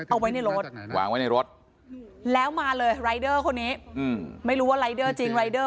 เอาไว้ในรถวางไว้ในรถแล้วมาเลยรายเดอร์คนนี้ไม่รู้ว่ารายเดอร์จริงรายเดอร์